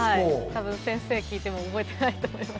多分先生聞いても覚えてないと思います。